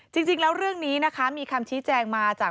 จริงแล้วเรื่องนี้นะคะมีคำชี้แจงมาจาก